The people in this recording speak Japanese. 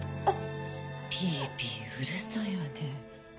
ピーピーうるさいわね